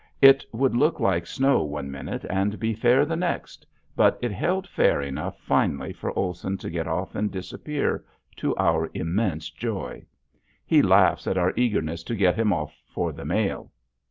It would look like snow one minute and be fair the next; but it held fair enough finally for Olson to get off and disappear to our immense joy. He laughs at our eagerness to get him off for the mail.